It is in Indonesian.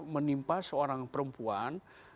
menimpa seorang perempuan